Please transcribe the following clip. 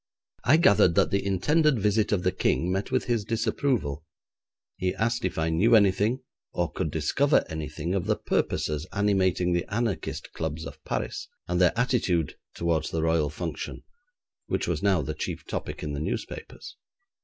I gathered that the intended visit of the King met with his disapproval. He asked if I knew anything, or could discover anything, of the purposes animating the anarchist clubs of Paris, and their attitude towards the royal function, which was now the chief topic in the newspapers.